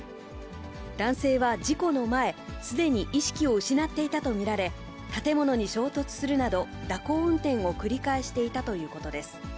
男性は事故の前、すでに意識を失っていたと見られ、建物に衝突するなど、蛇行運転を繰り返していたということです。